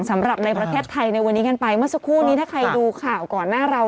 สำหรับในประเทศไทยในวันนี้กันไปเมื่อสักครู่นี้ถ้าใครดูข่าวก่อนหน้าเรา